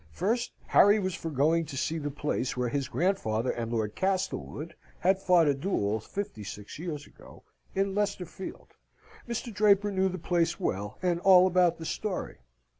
First, Harry was for going to see the place where his grandfather and Lord Castlewood had fought a duel fifty six years ago, in Leicester Field. Mr. Draper knew the place well, and all about the story.